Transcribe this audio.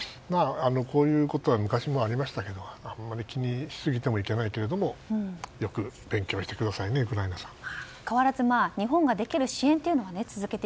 こういうことは昔もありましたけど、あまり気にしすぎてはいけないけどもよく勉強してくださいねウクライナさん。